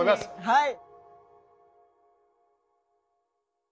はい！